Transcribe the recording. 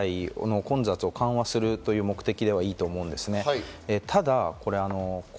発熱外来の混雑を緩和するという目的ではいいと思うんですね。